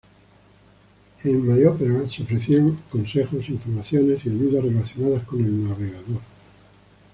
En My Opera se ofrecían consejos, informaciones y ayudas relacionadas con el navegador.